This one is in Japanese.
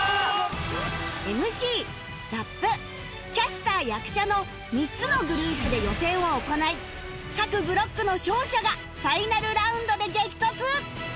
ＭＣ ラップキャスター・役者の３つのグループで予選を行い各ブロックの勝者がファイナルラウンドで激突！